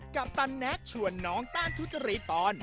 กัปตันแนนซชวนน้องต้านทุจริตอน